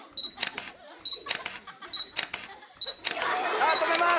ああ止めます！